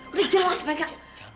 udah jelas banyak